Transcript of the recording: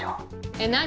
えっ何？